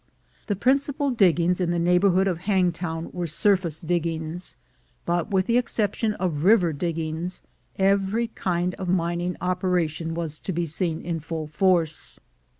The principal diggings in the neighborhood of Hangtown were surface diggings; but, with the excep tion of river diggings, every kind of mining operation was to be seen in full force.